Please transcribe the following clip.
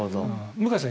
向井さん